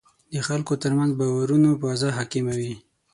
د خلکو ترمنځ باورونو فضا حاکمه وي.